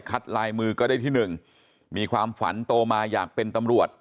ลายมือก็ได้ที่หนึ่งมีความฝันโตมาอยากเป็นตำรวจ